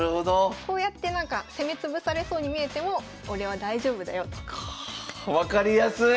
こうやってなんか攻め潰されそうに見えても俺は大丈夫だよと。か分かりやすい！